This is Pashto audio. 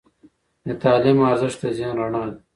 د تعلیم ارزښت د ذهن رڼا ده.